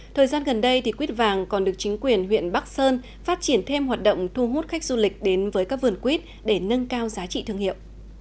thời gian gần đây quýt vàng còn được chính quyền huyện bắc sơn phát triển thêm hoạt động thu hút khách du lịch đến với các vườn quýt để nâng cao giá trị thương hiệu